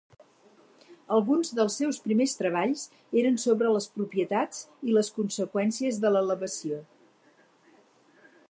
Alguns dels seus primers treballs eren sobre les propietats i les conseqüències de l'elevació.